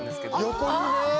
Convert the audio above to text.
横にね！